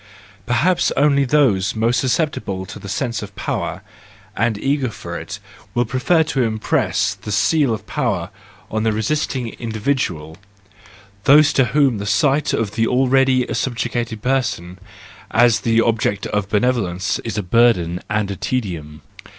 Perhaps only those most susceptible to the sense of power, and eager for it, will prefer to impress the seal of power on the resisting individual,—those to whom the sight of the already subjugated person as the object of benevolence is a burden and a tedium.